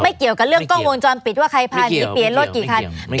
เกี่ยวกับเรื่องกล้องวงจรปิดว่าใครพาหนีเปลี่ยนรถกี่คัน